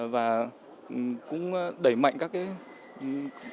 và cũng đẩy mạnh các cái công tác của mình